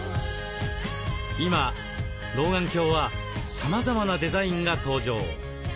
今老眼鏡はさまざまなデザインが登場。